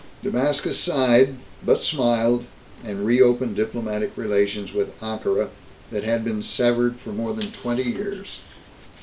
Damascus sighed but smiled, and reopened diplomatic relations with Ankara that had been severed for more than twenty years.